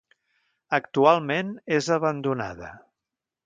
Actualment és abandonada.